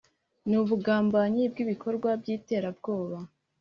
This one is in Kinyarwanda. n’ubugambanyi bw’ibikorwa by’iterabwoba